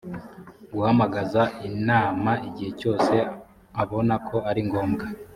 guhamagaza inama igihe cyose abona ko ari ngombwa